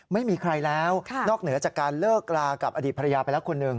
ไม่มีใครแล้วนอกเหนือจากการเลิกลากับอดีตภรรยาไปแล้วคนหนึ่ง